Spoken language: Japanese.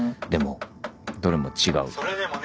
でもどれも違うって。